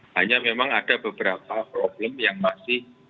hanya memang ada beberapa problem yang masih